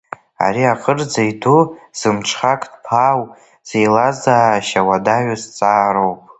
Ари акырӡа иду, зымҽхак ҭбаау, зеилазаашьа уадаҩу зҵаароуп.